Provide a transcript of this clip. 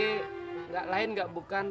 enggak lain enggak bukan